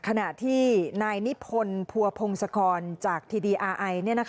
ขณะที่นายนิพนธ์ภัวพงศกรจากทีดีอาไอ